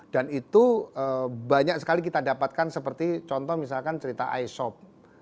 dan itu banyak sekali kita dapatkan seperti contoh misalkan cerita aishob